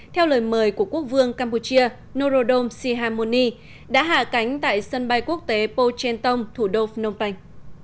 theo lời mời của quốc vương campuchia norodom sihamoni đã hạ cánh tại sân bay quốc tế pochentong thủ đô phnom penh